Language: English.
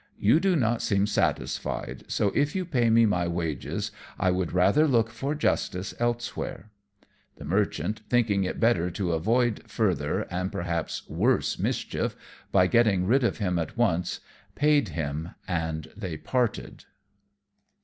You do not seem satisfied, so, if you pay me my wages, I would rather look for justice elsewhere." The Merchant thinking it better to avoid further, and perhaps worse, mischief by getting rid of him at once, paid him, and they parted.